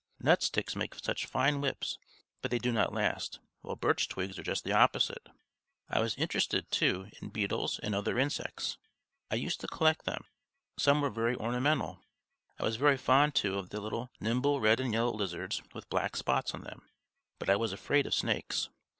Nut sticks make such fine whips, but they do not last; while birch twigs are just the opposite. I was interested, too, in beetles and other insects; I used to collect them, some were very ornamental. I was very fond, too, of the little nimble red and yellow lizards with black spots on them, but I was afraid of snakes.